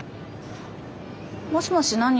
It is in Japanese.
もしもし何？